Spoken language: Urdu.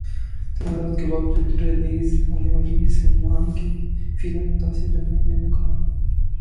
تنازعات کے باوجود ریلیز ہونے والی سلمان کی فلم متاثر کرنے میں ناکام